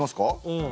うん。